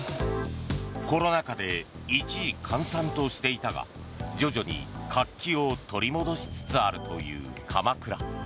コロナ禍で一時、閑散としていたが徐々に活気を取り戻しつつあるという鎌倉。